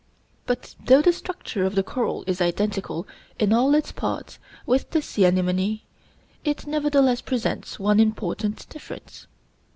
But though the structure of the coral is identical in all its parts with the sea anemone, it nevertheless presents one important difference.